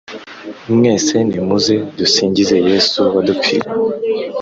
Mwese nimuze dusingize Yesu wadupfiriye